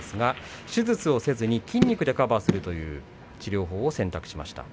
手術をせずに筋肉でカバーするという治療法を選択しました。